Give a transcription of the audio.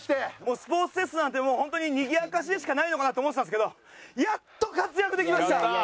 スポーツテストなんてもうホントににぎやかしでしかないのかなって思ってたんですけどやっと活躍できました！